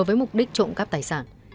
với mục đích trộm các tài sản